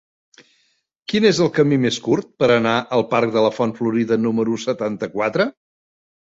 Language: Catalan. Quin és el camí més curt per anar al parc de la Font Florida número setanta-quatre?